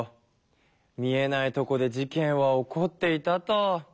見えないとこで事けんは起こっていたと。